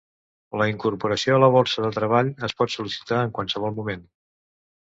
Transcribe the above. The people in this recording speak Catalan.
La incorporació a la borsa de treball es pot sol·licitar en qualsevol moment.